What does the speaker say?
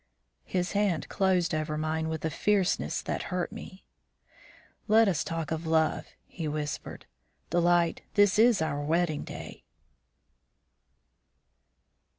His hand closed over mine with a fierceness that hurt me. "Let us talk of love," he whispered. "Delight, this is our wedding day."